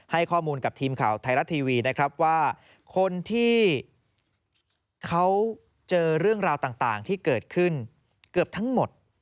ให้ข้อมูลกับทีมข่าวไทยรัฐทีวีนะครับว่าคนที่เขาเจอเรื่องราวต่างที่เกิดขึ้นเกือบทั้งหมด